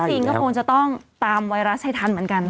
จริงก็คงจะต้องตามไวรัสให้ทันเหมือนกัน